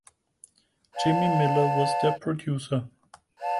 Jimmy Miller was their producer.